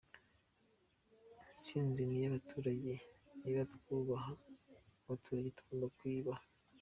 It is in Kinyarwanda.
Intsinzi ni iy’abaturage niba twubaha abaturage, tugomba kuyibaha.